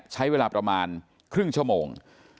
ใช้เวลาประมาณครึ่งชั่วโมง